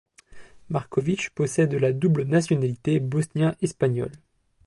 Marković possède la double nationalité bosnien-espagnole.